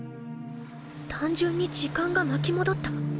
単純に時間が巻き戻った。